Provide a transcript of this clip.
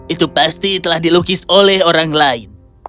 itu pasti telah dilukis oleh orang lain